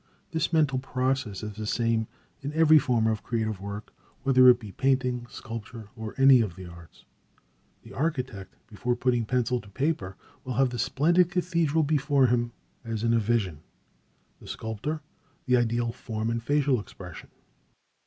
This mental process is the same in every form of creative work whether it be painting, sculpture, or any of the arts. The architect, before putting pencil to paper, will have the splendid cathedral before him as in a vision; the sculptor, the ideal form and facial expression.